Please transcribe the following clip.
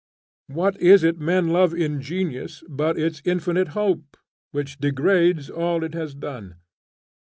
What is it men love in Genius, but its infinite hope, which degrades all it has done?